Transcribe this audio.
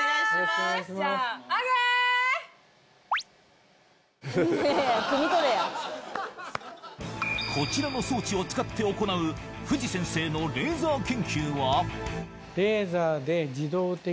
すくみとれやこちらの装置を使って行う藤先生のレーザー研究は？